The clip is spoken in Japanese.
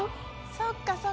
そっかそっか。